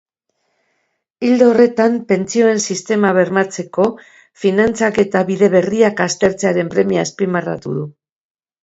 Ildo horretan, pentsioen sistema bermatzeko finantzaketa bide berriak aztertzearen premia azpimarratu du.